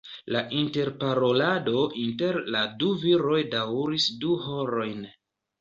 La interparolado inter la du viroj daŭris du horojn.